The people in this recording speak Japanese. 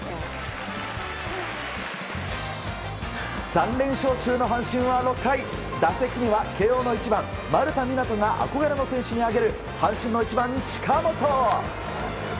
３連勝中の阪神は６回打席には慶應の１番、丸田湊斗が憧れの選手に挙げる阪神の１番、近本！